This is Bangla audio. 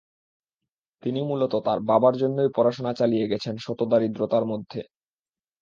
তিনি মূলত তাঁর বাবার জন্যই পড়াশোনা চালিয়ে গেছেন শত দারিদ্রতার মধ্যে।